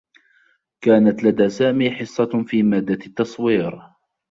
كانت لدى سامي حصّة في مادّة التّصوير.